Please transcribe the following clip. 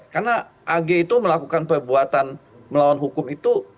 karena ag itu melakukan perbuatan melawan hukum itu